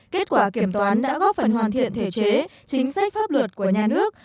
kết quả kiểm toán đã góp phần hoàn thiện thể chế chính sách pháp luật của nhà nước